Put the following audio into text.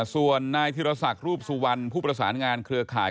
ส่วนนายธิรศักดิ์รูปสุวรรณผู้ประสานงานเครือข่าย